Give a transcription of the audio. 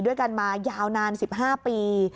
ด้วยกันมายาวนาน๑๕ปี